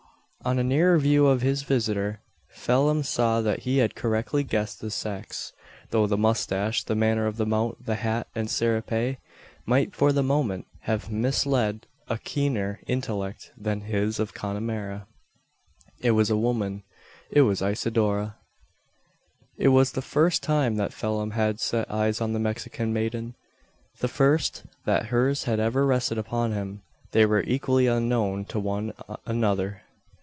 On a nearer view of his visitor, Phelim saw that he had correctly guessed the sex; though the moustache, the manner of the mount, the hat, and serape, might for the moment have misled a keener intellect than his of Connemara. It was a woman. It was Isidora. It was the first time that Phelim had set eyes on the Mexican maiden the first that hers had ever rested upon him. They were equally unknown to one another.